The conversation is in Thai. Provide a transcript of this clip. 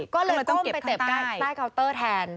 ก็เลยก้มไปเตะใต้เคาน์เตอร์แทน